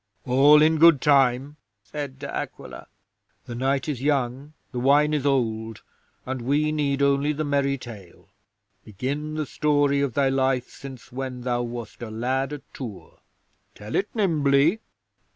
'"All in good time," said De Aquila. "The night is young; the wine is old; and we need only the merry tale. Begin the story of thy life since when thou wast a lad at Tours. Tell it nimbly!"